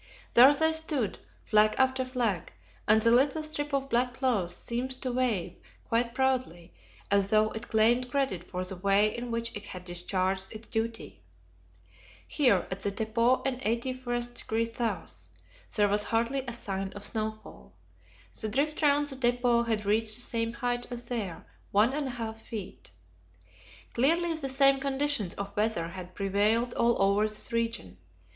There they stood, flag after flag, and the little strip of black cloth seemed to wave quite proudly, as though it claimed credit for the way in which it had discharged its duty. Here, as at the depot in 81° S., there was hardly a sign of snowfall. The drift round the depot had reached the same height as there 1 1/2 feet. Clearly the same conditions of weather had prevailed all over this region.